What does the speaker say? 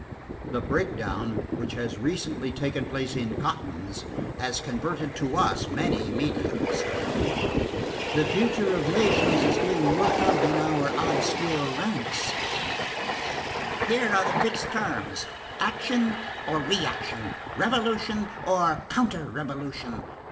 —"The breakdown which has recently taken place in cottons has converted to us many mediums."—"The future of nations is being worked out in our obscure ranks."—"Here are the fixed terms: action or reaction, revolution or counter revolution.